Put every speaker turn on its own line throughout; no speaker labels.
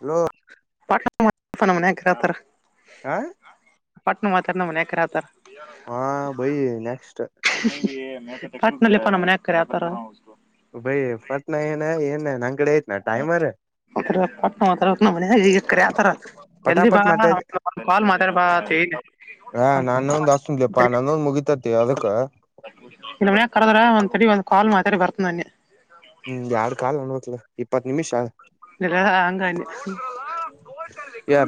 Hello
ಪಾಟ್ನ ನಮ್ಮ ಮನಿಯಾಗ ಕರಿಯಾತಾ [inaudible]
ಆ ಹಾ
ಪಟ್ಟಣ ಮಾತಾಡ ನಮ್ಮ ಮನಿಯಾಗ ಕರಿಯಾತಾರ
ಹ ಬೈ ನೆಕ್ಸ್ಟ್
ಪಟ್ನಾ ಲೇ ಪಾ ನಮ್ಮ ಮನಿಯಾಗ ಕರಿಯಾತಾರ
ಬೈ ಪಟ್ನ ಏನ ಏನ ನನ್ನ ಕಡೆ ಐತಿ ಏನ್ ಟೈಮರ್
ಆ ನ ಪಟ್ನ ಮಾತಾಡಬೇಕ ನಮ್ಮ ಮನಿಯಾಗ ಕರಿಯಾತಾರ ಜಲದಿ ಬಾ
ಪಟಾಪಟ್
ಆ....
ಮಾತಾಡಿ
ಕಾಲ್ ಮಾತಾಡ ಬಾ ಅಂತ ಹೇಳಿನಿ
ಹಾ ನಾನೊಂದ್ ಹಚ್ತೇತೇನಿ ಲೇ ಪಾ ನಂದೊಂದ ಮುಗಿತೇತಿ
ಇಲ್ಲ ಮನ್ಯಾಗ ಕರ್ದ್ರ ಒಂದ್ ತಡಿ ಒಂದ್ ಕಾಲ್ ಮಾತಾಡಿ ಬರ್ತನ ಅನ್ನಿ
ಹ್ಮ್ ಯಾಡ ಕಾಲ್ ಅಣವತ್ಲ ಇಪ್ಪತ್ತ ನಿಮಿಷ
ಇಲ್ಲ ಹಂಗ ಅನ್ನಿ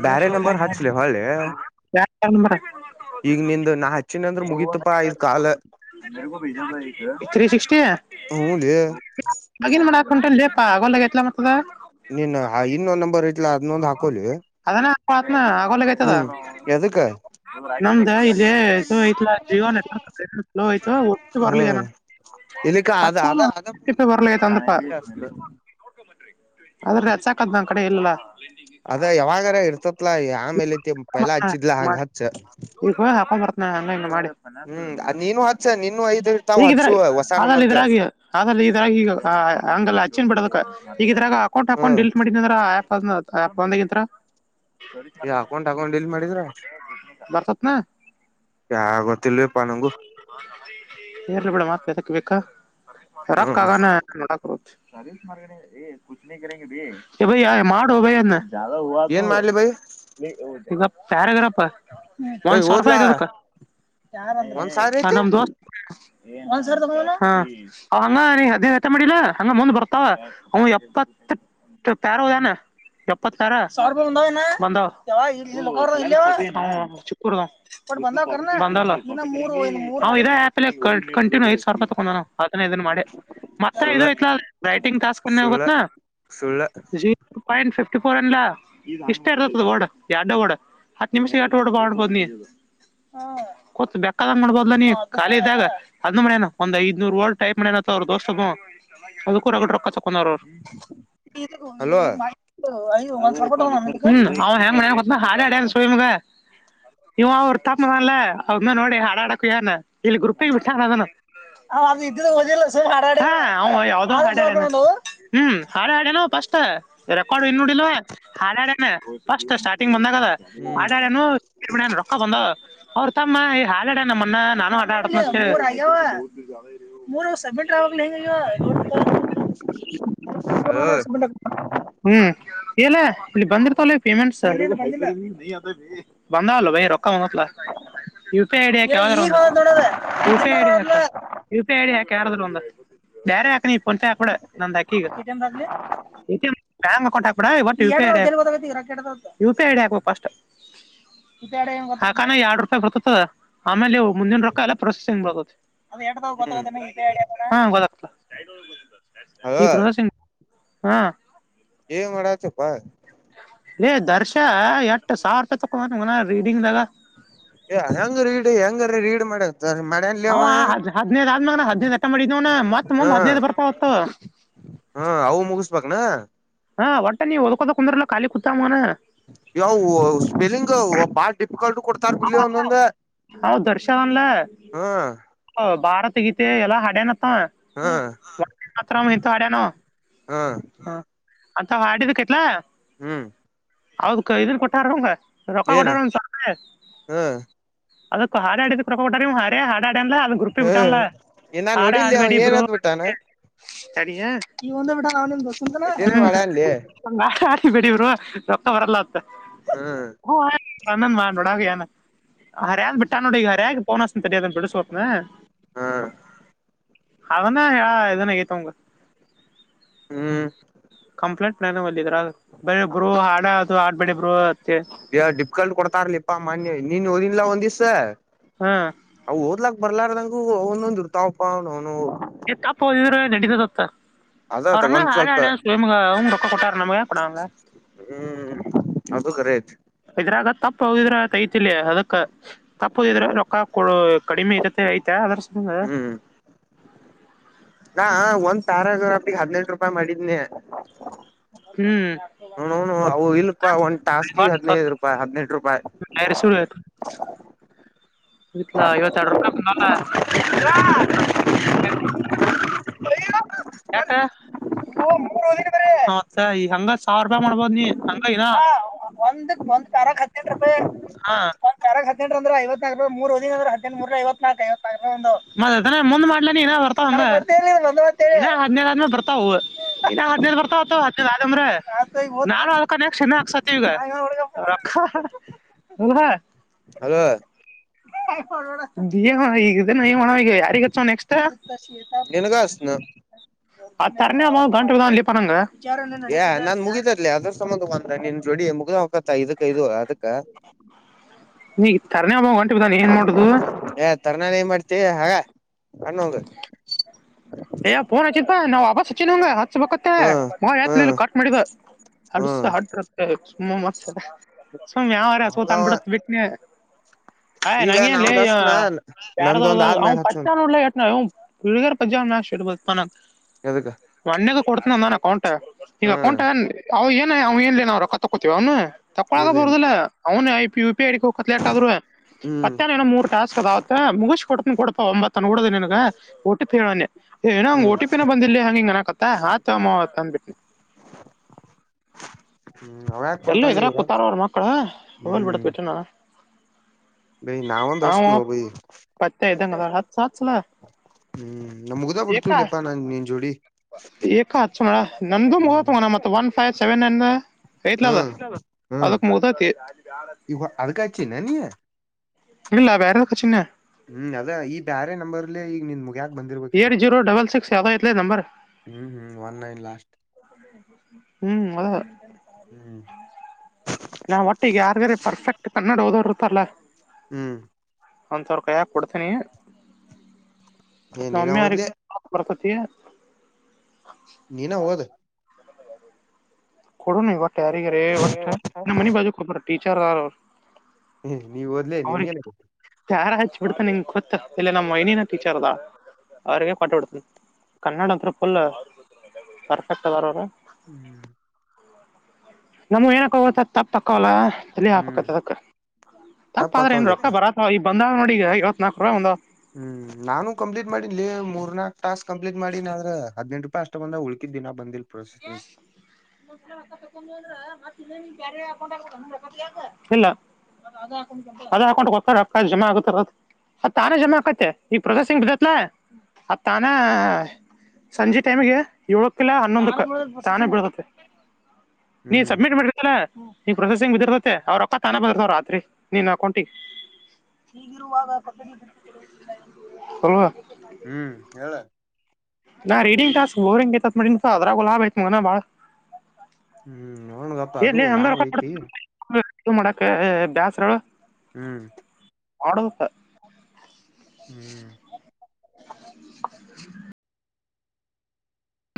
ಬೇರೆ
ಯಾರ
ನಂಬರ್
ಫೋನ್
ಹಚ್ಲಿ ಹೊಳ್ಳಿ
ಮಾಡ್ಯಾರ್
ಈಗ ನಿಂದು ನಾ ಹಚ್ಚಿನ ಅಂದ್ರ
[inaudible]
ಮುಗೀತಪಾ ಐದ್ ಕಾಲ
ತ್ರಿ ಸಿಕ್ಸ್ಟಿ
ಹ್ಮ ಲೇ
ಲಾಗಿನ್ ಮಾಡಾಕ ಹೊಂಟೇನ ಲೇ ಪಾ ಆದ ಅಗವಲ್ದ ಆಗೇತಿ ಅದ
ನೀನ್ ಆ ಇನ್ನೊಂದ್ ನಂಬರ್ ಐತಿ ಲಾ ಅದನ್ನೊಂದ್ ಹಾಕೋಲೀ
ಹಾ ಅಗವಲ್ದ ಅಗೇತಿ ಅದ
ಎದಕ್ಕ
ನಮ್ದ ಇದೇ ಐತಿ ಲಾ ಜಿಯೋ ನೆಟ್ವರ್ಕ್ ಸ್ಲೋ ಆಯ್ತ ಒಟ್ಟಿ ಬರ್ಲಿ
ಹ್ಮ್
ನ
ಇಲ್ಲಿಕ್ಕ ಅದ
ಪತ್ತಾಮ
ಅದ ಅದ
ಬರಲಾ ಅಗೇತಿ ಅಂದಪ್ಪಾ ಅದ್ರೆ ರೆಚ್ಚಾಕದ್ ನನ್ ಕಡೆ ಇಲ್ಲ ಲಾ
ಅದ ಯಾವಾಗಾರ ಇರ್ತತ್ಲಾ ಆಮೇಲೆ ಪೈಲಾ ಹಚ್ಚಿದ್ಲಾ ಹಂಗ
ಮಾಡ
ಹಚ್ಚ
ಈ ಹಾಕ್ ಬರ್. ಹಾ ನ ಮಾಡಿ.
ಹ್ಮ್ ಅದ್ ನೀನು ಹಚ್ಚ ನೀನು ಐದ್
[inaudible]
ಇರ್ತಾವ್ ಹಚ್ಚು
ಈಗಿದ್ರಾಗಿ
ಹೊಸ
ಅಲ್ಲಿ
ನಂಬರ್ಕ್
ಇದ್ರಾಗಿ ಅಲ್ಲಿ ಇದ್ರಾಗಿ ಈಗ. ಆಂಗಲಾ. ನ್ ಬಿಡೋದ ಈಗ ಇದ್ರಾಗ ಅಕೌಂಟ್ ಅಕೌಂಟ್
ಹ್ಮ್
ಡಿಲೀಟ್ ಮಾಡನಂದ್ರ ಆಪ್ ಆಪ್ ಬಂದಗಿಂತರ.
ಈ ಅಕೌಂಟ್ ಅಕೌಂಟ್ ಡಿೀಲ್ ಮಾಡಿದ್ರ.
ಬರ್ತತ್ನಾ.
ಗತ್ತ.
ಸೇರ್ಲಿ ಬಿೇಡ ಮಾತ ಎದಕ್ಕೆ ಬೇಕಾ. [inaudible] ತರಕ್ಕ
ಹ್ಮ್
ಆಗಾನ ನೋಡಕ್ರ. ಸರ್ವ ಭಯ ಮಾಡುವ ಬಯನ್. ಜ
ಏನ್ ಮಾಡ್ಲಿ ಬೈ
ಹಗ ಪ್ಯಾರಾಗ್ರಾಫ.
ಬೈ
ಒಂದ್ ಸಾವರ ರೂಪಾಯಿ
ಓದ್ಲಾ
ಐತ
ಒಂದ್ ಸಾವಿರ
ಅದ
ಐತಿ
ನಮ ದೋಸ್ತ್. ಹ ಅವ ಹಂಗ ನೀ ಅದ ಹೆತ್ತ ಮಾಡಿಲ್ಲ ಹಂಗ ಮುಂದ್ ಬರ್ತಾವ ಅವ ಎಪ್ಪತ್. ತ ಪ್ಯಾರ ಹದಾನ. ಎಪ್ಪತ್ತಾರ ಬಂದ ಚಿಕ್ಕೂರ್ದ. ಬಂದ ಆ. ಐ ಸಾವಿ ರೂಪ ತೊೊಂಡ ನು ಆದೇ ಇದನ್ನ ಮಾಡಿ. ಮತ್ತೆ ಇಲ
ಸುಳ್ಳ
ರೈಟಿಂಗ್ ಟಾಸ್ಕ್ನ್ನೇ
ಸುಳ್ಳ
ಹೋಗತ್ನಾ
ಸುಳ್ಳ
ಪಾಯಂಟ್ ಫಫ. ಟಫೋರ್ಲ್ಲಾ ಇಷ್ಟ ಇರ್ತತದ ಓಡ ಎಾರ್ಡ ಓಡ ಹತ್ ನಿಮಿಷ ಆಟ ಓಡ್ ಬಣ್ಬೋದ್ನಿ. ಹ್ಮ. ಕೊತ್ ಬೆೇಕದಂಗ ಮಾಡ್ಬದಲ ನೀ ಖಾಲಿ ಇದ್ದಾಗ ಅದ್ ಮ್ಯನ ಒಂದ್ ಐದನೂರ್ ೋಳ ಟೈಪ್ ಮಾಡಣ್ಯನತ್ತ ಅವ್ರ ದೋಸ್ತ. ಅದು ಕೂಡಗಡ ರೊಕ್ಕ ತಕೊಂಡಾರ ಅವ.
ಹಲೋ
ಹ್ಮ ಹಾ್ ಹೆ ಹಾರ ಹಡ ಸೋ ಮುಗ. ನೀವ ಅವ್ರ ತಪ್ಪದಲ್ಲ ಅವ್ಮ ನೋಡಿ ಹಾಡಾಡಕ ಏನ್ ಇಲ್ಲಿ ಗ್ರರುಪಿ ಬಿಟ್ಟಾನ ಅದನು. ಹ್ಮ ಹ. ಫಸ್ಟ್ ರೆಕಾರ್ಡ್ ಇ ನಡಿಲ್ ಹಾಡಾಡನೆ ಫಸ್ಟ್ ಸ್ಟಾರ್ಟಿಂಗ್ ಮ. ಬಂದದ
ಹ್ಮ್
ಆಡಾಡನು ರೊಕ್ಕ ಬಂದ ಅವ್ರ. ಹಾಡ ನಮ್ಮನ್ನ ನಾನು ಆಟ ಆ. ಹ ಹೆಂಗ ನೋಡ್.
ಹಲೋ
ಹ್ಮ್ ಲ್ಲ ಇಲ್ಲಿ ಬಂದಿರ್ತಲ್ಲ ಪೇಮೆಂಟ್ಸ್. ಬಧಲ್ಲ ಭ ರಕ್ಕಾ ಬಂದಲ್ಲ. U P ID U I. U P ID ಹಾಕ ಯಾರದ್ರು ಒಂದು ಬೇರೆ ಹಾಕ್ ನೀಿ ಪಂಚೆ ಹಾಕ್ಬಡ ನಂದ್ ಅಕ್ಕಿ ಈಗ. ಗಾ ಕಟ. ಇವ ಡಿ ಹಾಕ್ಬೇಕು ಸ್ಟ್. ಡೆ ಕಾನ ಯಡ್ರೊಪಾಯಿ ಬರ್ತದ ಆಮೇಲೆವು ಮುಂದಿನ ರೊಕ್ಕ ಎಲ್ಲ ಪ್ರೊಸೆಸಂಗ್ ಬರ ಹಾ
ಹ್ಮ್
ಗೊತ್ತಾಗ್ತ ಈ
ಹಲೋ
ಪ್ರೊಸೆಸಿಂಗ ಹಾ.
ಮಾಡಾಚಪ್ಪಾ.
ದರ್ಶ ಎಷ್ಟು ಸಾವಿರ ರೂಪಾಯಿ ತಗೊನ ರೀಡಿಂಗ್ ದಾಗ.
ಏ ಹೆಂಗ ರೀಡ್ ಹೆಂಗರೀ ರೀಡ್ ಮಾಡ. ಮಾಡ್ಯನ್ಲಿ
ಹ
ಅವ
ಹದ್ ಹದ್ೈದ್ ಆದ್ಮೇಾಗ ಹದ್ೈದು್ ಎಟ ಮಾಡಿದ್ವನ ಮತ್ತತ್
ಹಾ
ಮುಂದ್ ಹದ್ನೈದು್ ಬರ್ತಾ ಹೊತ್ತು.
ಹಾ ಅವು ಮುಗಿಸಬಕ್ನಾ.
ಹಾ ಒಟ್ಟ ನೀವು ಒದಕೋದ ಕುಂದ್ರಲ್ಲ ಾಲ ಕುೂತಾ್ನ.
ಯ ಸ್ಪೆಲಿಂಗ್ ಬಾ.
ಹ ಹೌ ದರ್ಶನ್ಲ
ಹಾ
ಭಾರತ. ಸಿಗತೆ ಎಲ್ಲ ಹಾಡನ.
ಹಾ
ಮಾತ್ರ ನಿಂತ ಅಡಾನೋ
ಹಾ
ಹ. ಅಂತ ಹಾಡಿದಕೈತ್ಲಾ.
ಹ್ಮ್
ಹೌದ್ ಇದನ್ ಕೊಟ್ಟಾರಂಗ ರೊಕ್ಕ ಕೊಡಾರ್ರ
ಹ್ಮ
ಅದಕ್ಕ ಹಾಡಿದ ಪ್ರೊಟ ಹ ಹಾ ಅದು
ಹ್ಮ್
ಗ್ರೂಪ್ಟ್ಟಲ್ಲ
ಇನ್ನ
ಆಡ
ನೋಡಿಲ್ಲಿ ಅವ
ಆಡುಬಡಿ ಬ
ಏನತ್ ಬಿಟ್ಟಾನ
ಸರಿಯ ನೀ ಒಂದ ಬಿಡ ಅವನ ದಸಂತಲ್ಲ
ಎಲ್ ಮಾಡ್ಯನ್ಲಿ
ಬಿಡವರು ರೊಕ್ಕ ಬರಲ್ಲ ಅತ್ತ
ಹ್ಮ್
ಹನ್ ನೋಡ ಯ ಹರ್ಯಂದ್ ಬಿಟ್ಟ ನೋಡಿ ಈಗ ಹರಿ್ಯ ಪೋ ಸರಾದ ಬಿಡ ಸೋಪನ
ಹ್ಮ್
ಅದನ ಹೇಳ ಇದನ ಆಗೈತವಂಗ
ಹ್ಮ್
ಕಂಪ್ಲೀಟ್ ಪ್ಲಾನನ್ದ್ರ ಬರು ಹಾಡದು ಹ ಆಡ್ಬೇಡಿ ಬರು
ಡಿಫಿಕಲ್ಟ್ ಕೊಡ್ತಾರ್ಲಿಪ್ಪಾ ಮನ್ಯ ನೀನ್ ಓದನ್ಲ್ಲಾ ಒಂದ ದಿವ್ಸ
ಹಾ
ಅವ ಓದ್ಲಾಕ್ ಬರ್ಲಾರ್ದಂಗ ಒಂದೊಂದ್ ಇರ್ತಾವಪ್ಪ ಅವನು ಅವನು
ಎತ್ತಪ್ಪೋದಿದ್ರೆ ನಟಿತತ್ತ
ಅದ
ಅವ್ರಮ್ಮ
ಒಂದ್
ಹಾೆ
ಸ್ವಲ್ಪ
ಹಡ ಸಯ ಕೊಟ್ಟಾರಣಮ ಪಡಾಲ್ಲ
ಹ್ಮ್ ಅದು ಗ್ರೇಟ್
ಇದ್ರಾಗ ತಪ್ಪ ಹಿದ್ರೆ ತಿಲಯ ಅದಕ್ಕ ತಪ್ಪ ಹದಿದ್ರೆ ರೊಕ್ಕಾ ಕಡಿಮೆ ಐತತೆ ಐ್ತಾ ಅದ್ರಸ
ಹ್ಮ್ ಸಾರರಾಪ್ಪಿಗೆ ಹದಿನೈದು ರೂಪಾಯಿ ಮಾಡಿದ್ನನೆ
ಹ್ಮ್
ಹ ಅವು ಇಲ್ಪಾ ಒಂದ್ ಟಾಸ್ಕಿ ಹದ್ಿನೈದು ರೂಪಾಯಿ ಹದ್ನೆಂಟ ರೂಪಾಯಿ
ಬರಿ ಸ ಲ ಐವತ್ತ ಎಡುೂಾಯ [inaudible] [unintelligible] ಮತ್ತ ಈ ಹಂಗ ಸಾವಿರ ರೂಪಾಯಿ ಮಾಡ್ಬೋದ್ ನೀ ಹಂಗನ [inaudible] ಒಂದ್ ಕಾರಕ್ ಹತ್ತಿನೆಂ ರೂಪಾಯಿ ಒ್ ಕಾರಕ್ ಹತ್ತಿನಂಟ ಅಂದ್ರೆ ಐವತ್ತು ಮೂದ ಹದಿನ ಮೂರ ಐತ್ ನಲ್ಕಐ್ ಹದ್ೇೇಳ ಆದ್ಮೇ ಬರ್ತಾವ ಹದ್ೇಲ್ ಬರ್ತಾವ ಹದ್ರ [inaudible] ಕ್ಕನ ಶಮ ಹಕ್ಸತಿ ಈಗ ರ ಹ
ಹಲೋ
ಈಗ ನೀ ಹಣ ಯಾರಿಗ್ ಅಚ್ಚಣ್ವಾ ನೆಕ್ಸ್ಟ್
ನಿನಗ ಅಸ್ನು
ಅದು ತರಣೇ ಗಂ ಇಲ್ಲಿ ಪನಗೆ
ಏ್ ನಾನ್ ಮುಗಿದದಲಿ ಅದ್ರ ಸಂಬಂಧ ಅಂದ್ರ ನಿ ನೀನ್ ಜಡಿ ಮುಗ್ದ ಹಕತ್ತ ಇದಕ್ಕ ಐದುುವ ಅದಕ್ಕ
ಈ ತರ್ನೇ ಹಬ ಹೊಂಟ ಬಿದ್ದಾನ ಏನ್ ಮಾಡುದು
ನನ್ ಏನ್ ಮಾಡ್ತ ಹಾಗ ಕಣೋಗ
ಯ ೋನ್ ಅಚಿತ್ಾ ನಾವು ಬಾಬಾ ಸಚ್ಚನ್ವಂಗ ಬತ್ತ
ಹ್ಮ್
ಮತ್ನೇ
ಹ್ಮ್
ಕಾಟ್ ಮಾಡಿದ ಅಲ್ಸ
ಹ್ಮ್
ಹತ್ತ ಮ ಮತ್ಸ ಸುಮ್ ಯಾವರ ಸೋತಂದ
ಹಂಗವ
ಬಿಡತ್ ಬಿಟ್ಟನೆ ಹಯ್
ಈಗ
ನಂಗೆಏನ್ಲ್ಲ
ನಾವಂದ್ ಹಸ್ನ
ಯಾರದಾವ
ನಂದೊಂದ್ ಆದ್ಮ್ಯಾಗ
ಅವನ್
ಹಚ್ಚುಂತ
ಪತ್ತಾನೂರುಲ್ಲ ಎ ನ ಹೀಳಗರ್ ಪಂಜಾಬ್ ನಾ ಶ್ಟೇಟ್ ಬಾನ
ಎದಕ್ಕ
ಕೊಡ್ತ ನ ನಾನ ಅಕೌಂಟ್ ಈಗ
ಹ್ಮ್
ಅಕೌಂಟ ಅವವು ಏನ ಅವ ನ್ ನಾವು ರೊಕ್ಕ ತಕ್ಕೋತೀವ ಅವನು ತಕ್ಕಳಾಗ
ಇಲ್ಲ ಇಲ್ಲ
ಬರುದಿಲ್ಲ ಅವನು ಆಐ ಪಿ ಹಡ ಹ ಕೇಟ್ ಆದ್ರೆ
ಹ್ಮ್
ಪತ್ತ ೋ ಮೂರು ಟಾಸ್ಕ್ ಅದೆ ಮುಗಿಸ್ ಕೊಡ್ ಕೊಡಪ ಒಂಬತ್ತನ ಕೊಡದ ನನ್ಗೆ ಒಟ್ಟಿಫ ಹೇಳಣನೆ ಏನೋ ಹಂಗ್
ಹ್ಮ್
ಟಿ ಪಿನ ಬಂದಿಲ್ಲಲಿ ಹಂಗಿಂಗ ನನಕತ್ತ ಆತ್ಮ್ಮ ಅಂದಬಿಟ್ಟಿ [unintelligible]
ಹ್ಮ್ ಅವ ಯಾಕ
ಎಲ್ಲ
ಕೊಡ್ತಾನ
ಇದ್ರಾ
ಈಗ
ಕುೂತಾರ ಅವರು ಮಕ್ಕಳ ಹೋಗಲ್ ಬಿಡತ್ ಬಿಟ್ರೆ ನಾ
ಬ ನಾಾವ ದಸನುುೋಗ [inaudible]
ಪತ್ತೆ ಇದ್ದಂಗ ಅದಾಳ ಹಚ್ಚ ಹಚ್ಚಲ
ಹ್ಮ್ ನಮ ಮುಗ್ದಾ ಬಿಡ್ತೀವಿ ಲಪ್ಪಾ ನಾನ್ ನೀನ್ ಜೋಡಿ
ಎಏ ಹ ಸ ಮಡ ನಂದುು
ಹ್ಮ್
ಮುಗತ್ತು ಮ ಮತ್ತ ಒನ್ ಫೈವ್ ಸೆವೆನ್ ನೈನ್ ಹೇತ್ಲ ಅದ
ಹ್ಮ್
ಅದಕ್ ಮುದತಿ
ಈ ಅಡ್ಕಾಚೆನ್ನ ನೀ
ಇಲ್ಲಾ ಯದಕ್ಕೂ ಚನ್ನ
ನಂಬರ್ ಇಲ್ಲಿ ಈಗ ನಿ ಮುಗ ಬಂದಿರ್ಬೇಕ
ಏಟ್ ಜೀರೋ ಡಬಲ್ ಸಿಕ್ಸ್ ಯಾವ್ದೋ ಐತ್ಲೆ ನಂಬರ್
ಹ್ಮ್ ಹ್ಮ್ ಒನ್ ನೈನ್ ಲಾಸ್ಟ್
ಹ್ಮ್ ಅ
ಹ್ಮ್
ನಾವ್ ಒಟ್ಟಿಗೆ ಯಾರ್ಗಾರ ಪರ್ಫೆಕ್ಟ್ ಕನ್ನಡ ಹೋದವರುತ್ತಲ್ಲಾ
ಹ್ಮ್
ಒಂದು ಸಾವಿ್ರ ಕಾಯಾಕಿ ಕೊಡ್ತೀನಿ
ಏ
ನಮ್ಮ
ನೀನ್
ಮಮ್ಮಿ ಅವ್ರಿಗೆ
ಓದ್ಲಿ
ಬರ್ತತಿ
ನೀನ ಹೋಗದು
ಕೊೋಡೋ ನ ವಟ್ಟ ಯಾರಿಗೆಾರೆ ವ ಮನೆ ಬಾಜುಬಟೀಚರ್ಾರ
ಹ ನೀವ್ ಓದ್ಲೇ ನೀನ್ ಏನಾಗಿ
ಬಿಡ್ತ ನಿಂ ಗೊತ್ತ ಇಲ್ಲ ನಮ್ಮ ಏನಿನ ಟೀಚರ್ ಅದಾ ಅವ್ರಿಗೆ ಕೊಟ್ಟಬಡ್ತನ ಕನ್ನಡ ಹತ್ರ ಫುಲ್ ಪರ್ಫೆಕ್ಟ್ ಅದಾರ ಅವ್ರ
ಹ್ಮ್
ನಮ್ ಏನಕ್ಕ ಹೋಗತ ತಪ್ಪ ತಕ್ಕಲ್ಲ ಇಲ್ಲಿ
ಹ್ಮ್
ಆಪಕ್ಕತ್ದಕ್ಕ ತಪ್ಪ ಆದ್ರೆ ಇಏ ರಕ್ಕ ಬರತ್ ಈಗ ಬಂದ ನೋಡಿಗ ಇವತ್ನಾಲ್ಕು ರೂಪಾಯ ಒಂದಂದು
ಹ್ಮ್ ನಾನು ಕಂಪ್ಲೀಟ್ ಮಾಡಿ ಲ ಮೂರ್ನಾಾಕ್ ಟಾಸ್ಕ್ ಕಂಪ್ಲೀಟ್ ಮಾಡೀಿ್ರ ಹದ್ೆಂಟು ಷ್ಟ ಬಂದ ಉಳಕಿದ್ದಿನಾ ಬಂದಿ
ಮತ್ತ ತಕೊಂಡಲ್ರ ಮತ್ತ ಇಲ್ಲ ಅದೇ ಅಕೌಂಟ್ ಹತಾರೆ ಜಮಾ ಆಗಾರ ಆ ತಾನೇ ಜಮಾ ಆಕತ್ತತೆ ಈಗ ಪ್ರಜಾ ಸಿಂಗ್ ಬಿದತ್ಲಾ ಆ ತಾನೇ ಸಂಜೆ ಟೈಮಗೆ ಏಳಕ್ಕಿಲ್ಲ ಹನ್ನೊಂದಕ್ಕ ಚಾನಾಗ ಬಿಡತತೆ ನೀ
ಹ್ಮ್
ಸಬ್ಮಿಟ್ ಮಾಡತರಾ ನೀ ಪ್ರೊಸೆಸಿಂಗ್ ಬಿದಿರ್ತತೆ ಅವ್ರ ಅಕ್ಕ ತಾನ ಬಂದಿರ್ತವ್ ರಾತ್ರಿ ನಿನ್ ಅಕೌಂಟಿಗೆ ಲ್ವಾ
ಹ್ಮ್ ಹೇಳ
ನಾ ರೀಡಿಂಗ್ ಾಸ್ಕ್ ಬೋರಿಂಗತ್ ಮ ಅದರಾಗು ಲಾಭಯಐತು ಬಾಳ
ಹ್ಮ್ ನೋಣಗಪ್ಪಾ ಅದು
ಎಲ್ಲಿ ಹಂಗ
ಲಾಭ
ರೊಕ್ಕ
ಐತಿ
ಕೊಡ್ತ- ಇದು ಮಾಡಕ ಬ್ಯಾಸ್ರಳ
ಹ್ಮ್
ಮಾಡಡು ಸ
ಹ್ಮ್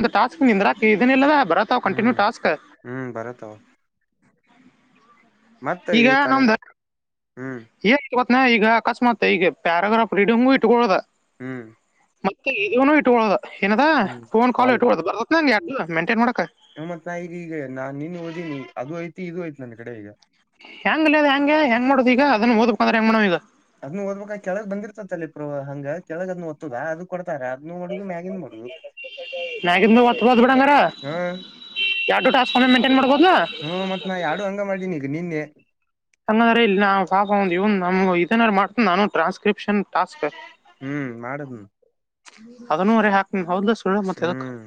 ಒ ಟಾಸ್ಕ್ ನಿಂದ್ರಾಕ ಇದನ ಇಿಲ್ಲದ ಬರತ್ಾವ್ ಕಂಟಿನ್ಯೂ
ಹ್ಮ್
ಟಾಸ್ಕ್
ಹ್ಮ್ ಬರತ್ತವ ಮತ್ತ
ಈಗ
ಈ ಕನ್ನಡ
ನಮ್ದ
ಹ್ಮ್
ನಾ ಈಗ ಅಕಸ್ಮಾತ್ ಈ ಪ್ಯಾರಾಗ್ರಾ್ ರೀಡಿಂಗ್ು ಇಟ್ಕೊಳ್ಳುದ
ಹ್ಮ್
ಮತ್ತೆ ಇದನು ಇಟ್ಕೊಳ್ಳೋದ ಏನದ
ಹ್ಮ್
ಫೋನ್ ಕಾಲ್
ಕಾಲು
ಇಕುದು ಬರತ್ನ್ ಎರಡು ಮೈಂಟೈನ್ ಮಾಡಕ
ಮತ್ ನಾ ಈಗ ಈಗ ನಾನ್ ನಿನ್ ಓದೀನಿ ಅದು ಐತಿ ಇದು ಐತಿ ನನ್ನ ಕಡೆ ಈಗ
ಹೆಂಗ ಅಲ ಅದ ಹೆಂಗೆ ಹೆಂಗ ಮಾಡುದು ಈಗ ಅದನ್ ಓದ್ಕ್ ಅಂದ್ರೆ ಹೆಂಗ್ ನೋ್ ಈಗ
ಅದ್ ಓದ್ಬೇಕ ಕೆಳಗ್ ಬಂದಿರ್ತತ್ ಅಲ್ಲಿಪ್ರ ಹಂಗ ಕೆಳಗ್ ಅದ್ ಓದತ್ತದ ಅದು ಕೂಡ ತ ಅದನು ನಡುದು ಮ್ಯಾಗಿ ಮಾಡಡುದು
ನಾಕಂತು ಒತ್ತು ಬತ್ತು ಬಡಂಗರ ಯಾವು ಟಾನ್ಸ್ಫ್ಮೆ ಮೇಂಟೈನ್ ಮಾಡ್ಬೋದನಾ
ಹ್ಮ್ ಮತ್ ನಾ ಯಾಡು ಹಂಗ ಮಾಡೀನಿ ನಿನ್ನೆ
ನಮ ಇದನಾರ ಮಾಡ್ತ ನಾನು ಟ್ರಾನ್ಸ್ಕ್ರಿಪ್ಷನ್ ಟಾಸ್ಕ್
ಹ್ಮ್ ಮಾಡದ್ನ್
ಅದನೂವರೆ ಹಾಕ್ ಹೌದ ಸುಳ್ಳ ಮತ್ತೆ ಅದಕ್
ಹ್ಮ್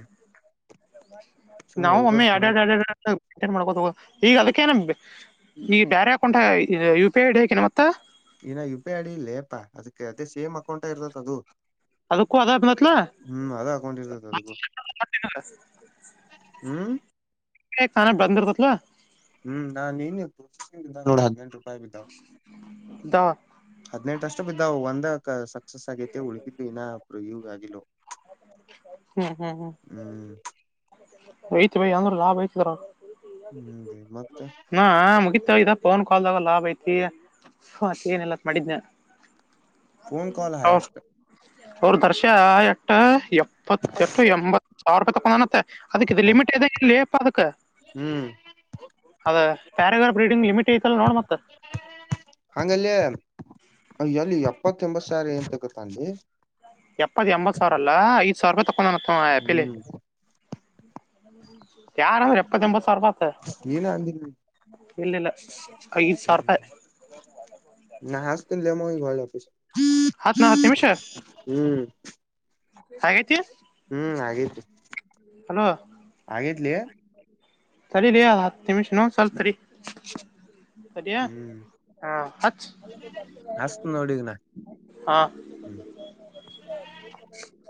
ಸುಮ್
ನಾವು ಮಮ್ಮೆ
ಓದ್ಕೋತ್
ಎಡ
ಕುಂದ್ರ
ಟನ್ ಮಾಡ್ಕೋದು ಹ ಈಗ ಅದಕ್ಕೆೇನ ಈ ಬೇರೆ account U P I ID ಹಾಕೇನ ಮತ್ತ
ಇನ ಯು ಪಿ ಅಡಿ ಇಲ್ಲೇಪಾ ಅದಕ್ಕೆ ಅದೇ ಸೇಮ್ ಅಕೌಂಟ ಇರ್ತದ ಅದು
ಅದು ಕೂ ಅದ ಮತ್ತಲ
ಹ್ಮ್ ಅದ ಅಕೌಂಟ್ ಇರ್ತತ್ ಅದಕ್ಕೂ ಹ್ಮ್
ಕಾನ ಬಧರತವಾ
ಹ್ಮ್ ನಾನ್ ನೀನ್ನ್
ಇದ
ಹ ಅಷ್ಟ ಬಿದ್ದ ಒಂದ ಸಕ್ಸಸ್ ಆಗೈತೆ ಉಳಗಿದ್ದು ಇನ್ನ ಇ ಆಗಲು
ಹ್ಮ್ ಹ್ಮ್ ಹ್ಮ್ ಐತ್ ಬಯ ಅಂದ್ರ ಲಾಭ ಐತದರ
ಹ್ಮ್ ಮತ್ತ
ಹಾ ಮುಗಿ ಇದ ಫೋನ್ ಕಾಲ್ದಾಗ ಲಾಭ ಐತಿ ಮತ್ತ ಏನೆಲ್ಲ ಮಾಡಿದನ
ಫೋನ್ ಕಾಲ್ ಹಯಸ್ಟ್
ಅವ್ರ ದರ್ಶ ಎಟ್ಟ ಎಪ್ಪ ಇಪ್ಪತ್ತೆಟು ಎಂಬತ್ತು ಸಾವಿ ರೂಪಾಯಿ ತೊೊಂಡಾನತ್ತ ಅದಕ್ಕೆ ಇದು ಲಿಮಿಟ್ ಇಲ್ಲೇಪ್ಪ ಅದಕ್ಕೆ [inaudible]
ಹ್ಮ್
ಅದ ರಗರ್ ಬ್ರೀಡಿಂಗ್ ಲಿಮಿಟ್ ಐತಲ್ಲ ನೋಡ ಮತ್ತ
ಅಯ್ಯಲ್ಲಿ ಎಪ್ಪತ್ತ ಎಂಬತ್ ಸಾವರ ಏನ್ ತಗತ್ತ ಅನ್
ಎಪ್ಪತ್ ಎಂಬತ್ ಸಾವಿರ ಅಲ್ಲ ಐದ ಸಾವಿರ ರೂಪಾಯಿ ತಕೊಂಡನ ಹ್ಯಾಪಿಲಿ
ಹ್ಮ್
ಯಾರ ಅವ್ರ
ನೀನ ಅಜಿದ್ದಿ
ಇಲ್ಲಿಲ್ಲ ಐದು ಸಾವಿರ ರೂಪಾಯಿ
ನ ಹಾಸತ ಲೇಮ ಗರ ಒ
ಹತ್ತು ನ ಹತ್ತು ನಿಮಿಷ ಹಾಗೈತಿ
ಹ್ಮ್ ಆಗೇತ್ರಿ
ಹಲೋ [inaudible]
ಆಗೇತ್ಲಿ
ಸರಿ ರೀ ಹತ್ತು ನಿಮಿಷನು ಸಲ್ ಸರಿ
ಹ್ಮ್
ಹಾ ಹಾ
ಹಸ್ತ್ ನೋಡಿಗ ನಾ ಹ್ಮ್
[unintelligible]